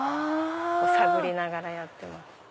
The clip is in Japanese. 探りながらやってます。